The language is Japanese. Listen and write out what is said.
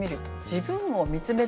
自分を見つめてみる。